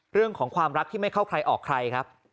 เรื่องของความรักที่ไม่เข้าใครออกใครครับ